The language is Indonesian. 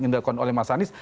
yang dilakukan oleh mas anies